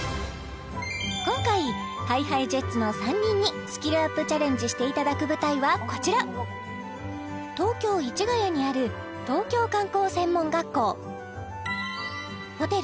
今回ＨｉＨｉＪｅｔｓの３人にスキルアップチャレンジしていただく舞台はこちら東京・市谷にある東京観光専門学校ホテル